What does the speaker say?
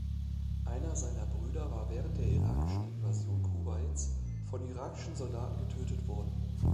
Einer seiner Brüder war während der irakischen Invasion Kuwaits von irakischen Soldaten getötet worden.